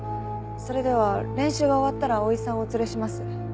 それでは練習が終わったら碧さんをお連れします。